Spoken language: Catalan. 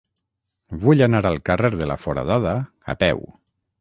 Vull anar al carrer de la Foradada a peu.